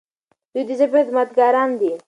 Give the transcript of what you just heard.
دوی د ژبې خدمتګاران دي.